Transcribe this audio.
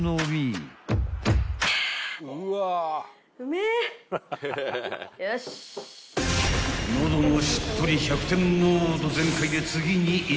［喉もしっとり１００点モード全開で次に挑むのが］